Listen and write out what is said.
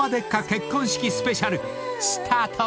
⁉結婚式スペシャルスタート！］